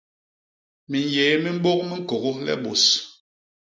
Minyéé mi mbôk miñkôgô le bôs.